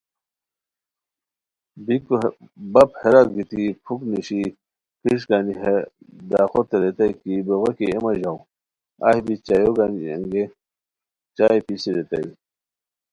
بیکو بپ ہتیرا گیتی پھوک نیشی کیݰ گانی ہے ڈاقوتے ریتائے کی بوغے کی اے مہ ژاؤ اہی بی چایو گانی انگیے، چائے پیسی ریتائے